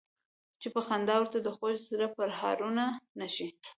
چې په خندا ورته د خوږ زړه پرهارونه نه شي.